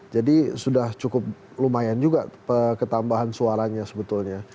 jadi sudah cukup lumayan juga ketambahan suaranya sebetulnya